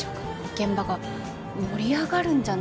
現場が盛り上がるんじゃないかと。